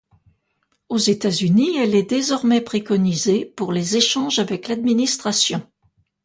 Aux États-Unis, elle est désormais préconisée pour les échanges avec l’administration.